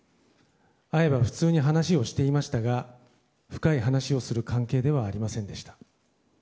会えば普通に話をしていましたが深い話をする関係ではありませんでした。